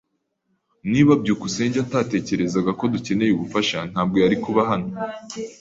Niba byukusenge atatekerezaga ko dukeneye ubufasha, ntabwo yari kuba hano.